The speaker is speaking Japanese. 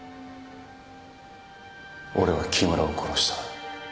俺は木村を殺した。